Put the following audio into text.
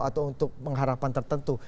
atau untuk pengharapan tertentu